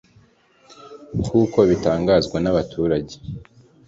nk’uko bitangazwa n’abaturage